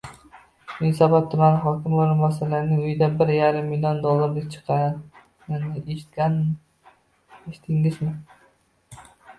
Yunusobod tumani hokimi o'rinbosarining uyidan bir yarim million dollar chiqqanini eshitdingizmi